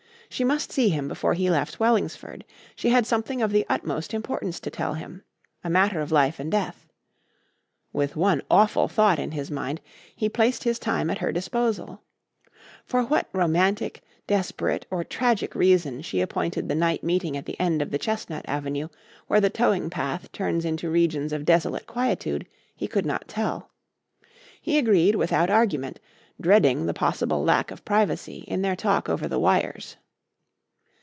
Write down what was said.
She must see him before he left Wellingsford. She had something of the utmost importance to tell him. A matter of life and death. With one awful thought in his mind, he placed his time at her disposal. For what romantic, desperate or tragic reason she appointed the night meeting at the end of the chestnut avenue where the towing path turns into regions of desolate quietude, he could not tell. He agreed without argument, dreading the possible lack of privacy in their talk over the wires.